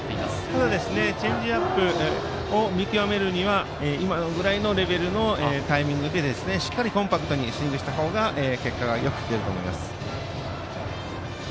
ただチェンジアップを見極めるには今ぐらいのレベルのタイミングでしっかりコンパクトにスイングすべきです。